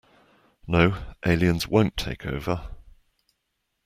No, Aliens won't take over.